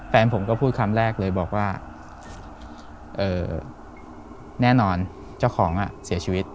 แฟนผมก็พูดคำแรกเลยบอกว่าแน่นอนเจ้าของเสียชีวิต